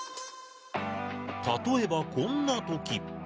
例えばこんなとき。